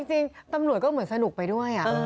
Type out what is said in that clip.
จริงตำรวจก็เหมือนสนุกไปด้วย